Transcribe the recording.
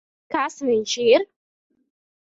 Kas viņš ir?